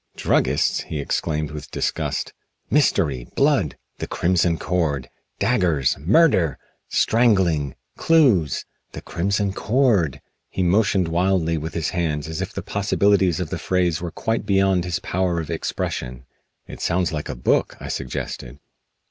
"Druggists?" he exclaimed with disgust. "Mystery! Blood! 'The Crimson Cord.' Daggers! Murder! Strangling! Clues! 'The Crimson Cord' " He motioned wildly with his hands as if the possibilities of the phrase were quite beyond his power of expression. "It sounds like a book," I suggested.